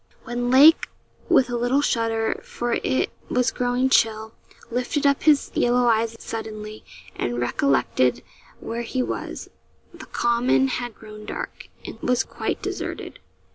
When Lake, with a little shudder, for it was growing chill, lifted up his yellow eyes suddenly, and recollected where he was, the common had grown dark, and was quite deserted.